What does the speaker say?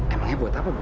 emangnya buat apa bu